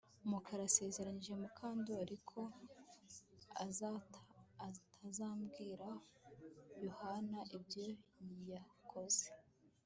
Mukara yasezeranyije Mukandoli ko atazabwira Yohana ibyo yakoze